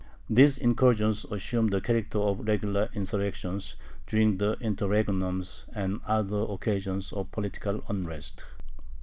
These incursions assumed the character of regular insurrections during the interregnums and on other occasions of political unrest.